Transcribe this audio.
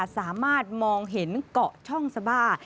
สามารถมองเห็นเกาะช่องสบา